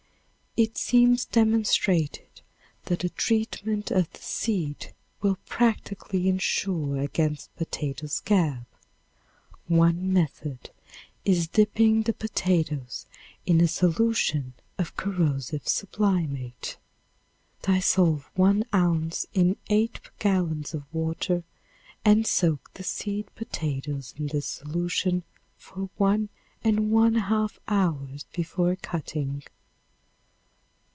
It seems demonstrated that a treatment of the seed will practically insure against potato scab. One method is dipping the potatoes in a solution of corrosive sublimate. Dissolve one ounce in eight gallons of water and soak the seed potatoes in this solution for one and one half hours before cutting.